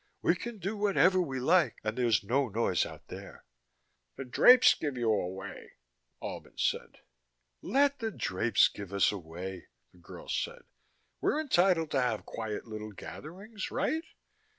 "We can do whatever we like and there's no noise out there." "The drapes give you away," Albin said. "Let the drapes give us away," the girl said. "We're entitled to have quiet little gatherings, right?